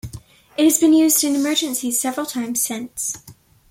It has been used in emergencies several times since.